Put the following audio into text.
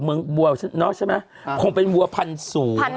บักเมืองเมืองเมืองออกจากเมืองเป็นเมืองนอกใช่มั้ย